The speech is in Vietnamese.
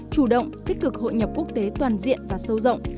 chủ động tích cực hội nhập quốc tế toàn diện và sâu rộng